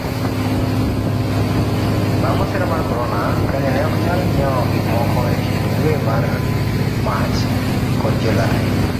bang' masira marcorona, Kenya ne oknyal nyiewo gikmoko ekind dwe mar Mach kod Julai.